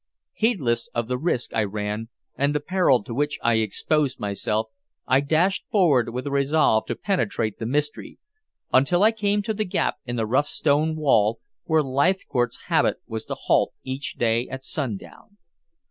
Heedless of the risk I ran and the peril to which I exposed myself, I dashed forward with a resolve to penetrate the mystery, until I came to the gap in the rough stone wall where Leithcourt's habit was to halt each day at sundown.